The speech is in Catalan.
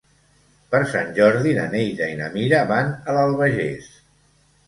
Per Sant Jordi na Neida i na Mira van a l'Albagés.